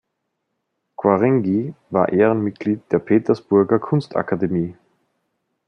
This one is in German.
Quarenghi war Ehrenmitglied der Petersburger Kunstakademie.